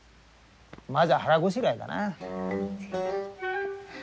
まずは腹ごしらえだな。